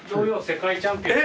世界チャンピオン！